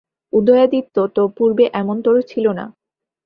উদয়াদিত্য তো পূর্বে এমনতরো ছিল না।